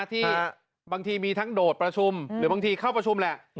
ที่บางทีมีทั้งโดดประชุมหรือบางทีเข้าประชุมแหละ